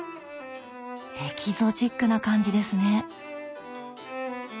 エキゾチックな感じですね。